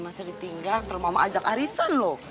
masih ditinggal ntar mama ajak arisan loh